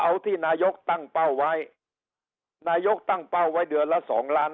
เอาที่นายกตั้งเป้าไว้นายกตั้งเป้าไว้เดือนละสองล้าน